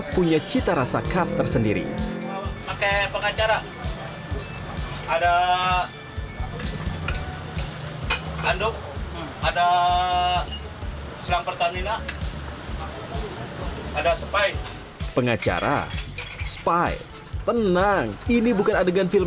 punya cita rasa khas tersendiri ada ada ada ada pengacara spai tenang ini bukan adegan film